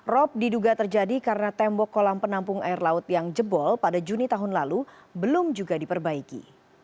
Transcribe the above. rop diduga terjadi karena tembok kolam penampung air laut yang jebol pada juni tahun lalu belum juga diperbaiki